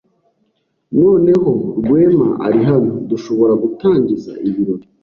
Noneho Rwema ari hano, dushobora gutangiza ibirori.